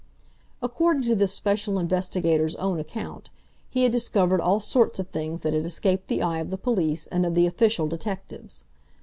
According to this Special Investigator's own account he had discovered all sorts of things that had escaped the eye of the police and of the official detectives.